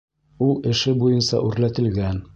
Ул эше буйынса үрләтелгән